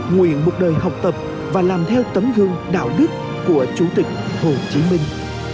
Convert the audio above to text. nguyện một đời học tập và làm theo tấm gương đạo đức của chủ tịch hồ chí minh